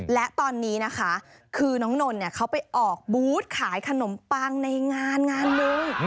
และตอนนี้นะคะคือน้องนนท์เขาไปออกบูธขายขนมปังในงานงานหนึ่ง